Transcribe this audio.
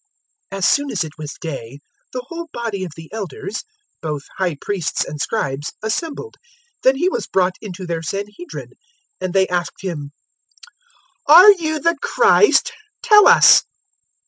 022:066 As soon as it was day, the whole body of the Elders, both High Priests and Scribes, assembled. Then He was brought into their Sanhedrin, and they asked Him, 022:067 "Are you the Christ? Tell us."